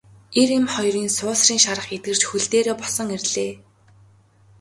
Эр эм хоёр суусрын шарх эдгэрч хөл дээрээ босон ирлээ.